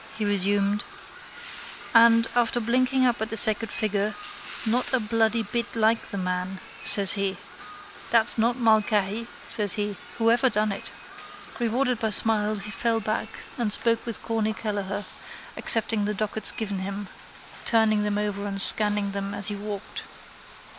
He resumed: —And, after blinking up at the sacred figure, Not a bloody bit like the man, says he. That's not Mulcahy, says he, whoever done it. Rewarded by smiles he fell back and spoke with Corny Kelleher, accepting the dockets given him, turning them over and scanning them as he walked.